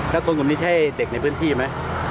แล้วคนกลุ่มนี้ใช่เด็กในพื้นที่ไหม